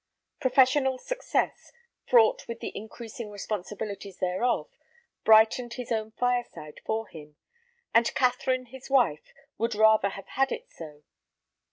Professional success, fraught with the increasing responsibilities thereof, brightened his own fireside for him, and Catherine his wife would rather have had it so.